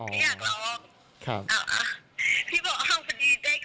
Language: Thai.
เป็นน้องผู้ชายซึ่งเขาก็